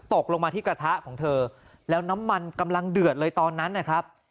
ตกลงมาที่กระทะของเธอแล้วน้ำมันกำลังเดือดเลยตอนนั้นนะครับ